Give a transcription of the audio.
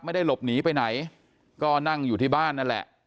ไม่ได้หลบหนีไปไหนก็นั่งอยู่ที่บ้านนั่นแหละ